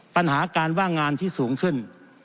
ปัญหาการว่างงานที่สูงขึ้น